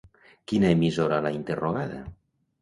Quina emissora l'ha interrogada?